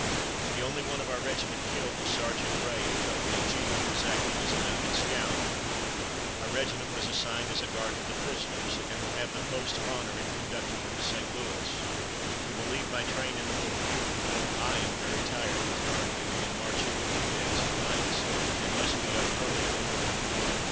The only one of our regiment killed was Sergeant Ray, of Company G, who was acting as a mounted scout. Our regiment was assigned as a guard to the prisoners, and will have the post of honor in conducting them to St. Louis. We will leave by train in the morning. I am very tired with guard duty and marching for two days and nights, and must be up early in the morning."